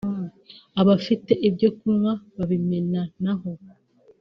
abafite ibyo kunywa babimenanaho